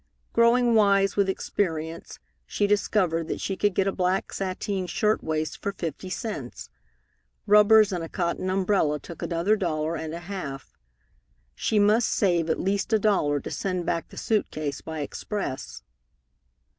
Growing wise with experience, she discovered that she could get a black sateen shirt waist for fifty cents. Rubbers and a cotton umbrella took another dollar and a half. She must save at least a dollar to send back the suit case by express.